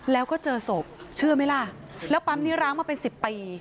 แล้วก็เจอศพเชื่อไหมล่ะแล้วปั๊มนี้ร้างมาเป็น๑๐ปี